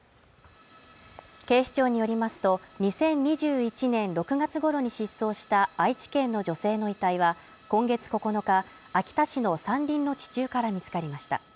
警視庁によりますと、２０２１年６月頃に失踪した愛知県の女性の遺体は今月９日、秋田市の山林の地中から見つかりました。